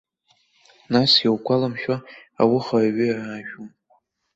Нас, иугәаламшәо, ауха аҩы аажәуан.